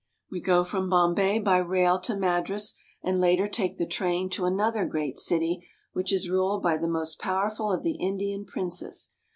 We go from Bombay by rail to Madras, and later take the train to another great city which is ruled by the most powerful of the Indian princes.